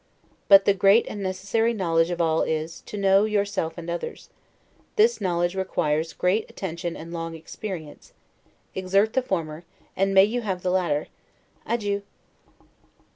But the great and necessary knowledge of all is, to know, yourself and others: this knowledge requires great attention and long experience; exert the former, and may you have the latter! Adieu!